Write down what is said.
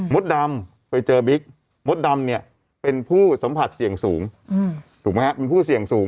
ดำไปเจอบิ๊กมดดำเนี่ยเป็นผู้สัมผัสเสี่ยงสูงถูกไหมครับเป็นผู้เสี่ยงสูง